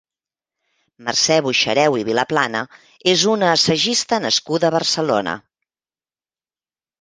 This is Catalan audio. Mercè Boixareu i Vilaplana és una «Assagista» nascuda a Barcelona.